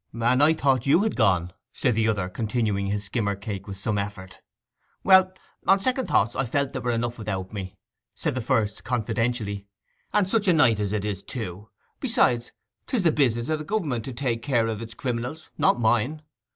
'And I thought you had gone,' said the other, continuing his skimmer cake with some effort. 'Well, on second thoughts, I felt there were enough without me,' said the first confidentially, 'and such a night as it is, too. Besides, 'tis the business o' the Government to take care of its criminals—not mine.